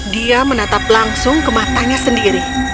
dia menatap langsung ke matanya sendiri